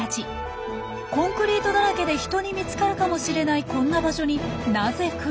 コンクリートだらけで人に見つかるかもしれないこんな場所になぜ来るんでしょう？